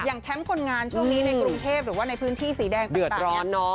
อย่างแท้มคนงานช่วงนี้ในกรุงเทพฯหรือว่าในพื้นที่สีแดงต่าง